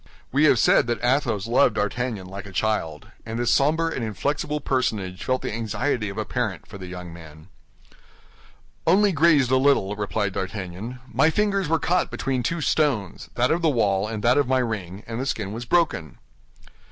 We have said that Athos loved D'Artagnan like a child, and this somber and inflexible personage felt the anxiety of a parent for the young man. "Only grazed a little," replied D'Artagnan; "my fingers were caught between two stones—that of the wall and that of my ring—and the skin was broken."